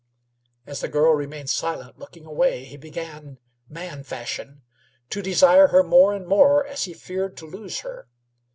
As the girl remained silent, looking away, he began, man fashion, to desire her more and more, as he feared to lose her.